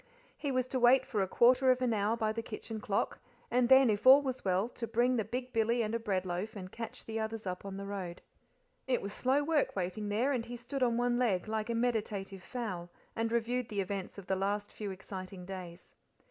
He was to wait for a quarter of an hour by the kitchen clock, and then, if all was well, to bring the big billy and a bread loaf, and catch the others up on the road. It was slow work waiting there, and he stood on one leg, like a meditative fowl, and reviewed the events of the last few exciting days.